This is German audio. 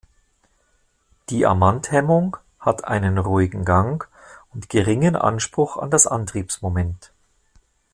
Die Amant-Hemmung hat einen ruhigen Gang und geringen Anspruch an das Antriebsmoment.